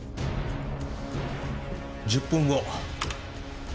１０分後。